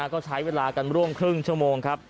ก็ใช้เวลากันร่วมครึ่งชั่วโมงครับ